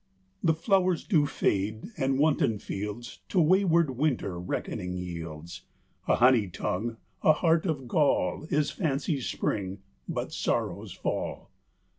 The flowers do fade, and wanton fields To wayward winter reckoning yields; A honey tongue, a heart of gall, Is fancy's spring: but sorrow's fall.